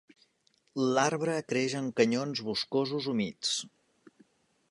L'arbre creix en canyons boscosos humits.